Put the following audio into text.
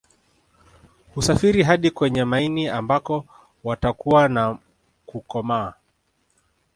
Husafiri hadi kwenye maini ambako watakua na kukomaa